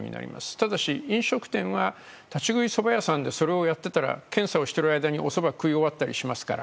ただし、飲食店は立ち食いそば屋さんでそれをやってたら検査をやっている間におそば食い終わったりしますから。